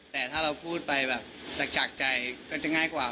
แต่ถ้าเราพูดไปแบบจากใจก็จะง่ายกว่า